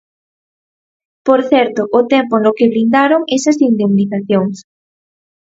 Por certo o tempo no que blindaron esas indemnizacións.